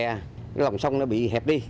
cái lòng sông nó bị hẹp đi